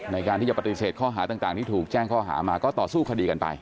ในการที่จะปฏิเสธข้อหาต่างที่ถูกแจ้งข้อหามาก็ต่อสู้คดีกันไป